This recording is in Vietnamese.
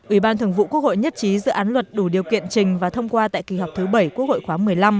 ủy ban thường vụ quốc hội nhất trí dự án luật đủ điều kiện trình và thông qua tại kỳ họp thứ bảy quốc hội khóa một mươi năm